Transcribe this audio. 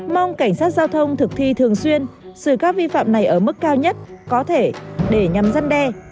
mong cảnh sát giao thông thực thi thường xuyên xử các vi phạm này ở mức cao nhất có thể để nhằm gian đe